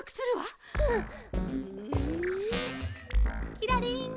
キラリン！